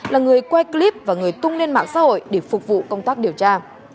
là người quay clip và người tung lên mạng xã hội để phục vụ công tác điều tra